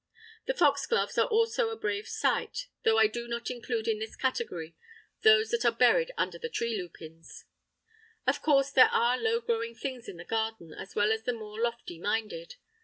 The foxgloves are also a brave sight (though I do not include in this category those that are buried under the tree lupins!). Of course, there are low growing things in the garden as well as the more lofty minded.